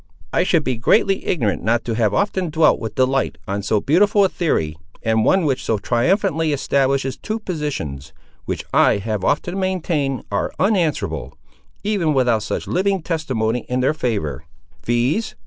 "I should be greatly ignorant not to have often dwelt with delight on so beautiful a theory, and one which so triumphantly establishes two positions, which I have often maintained are unanswerable, even without such living testimony in their favour—viz.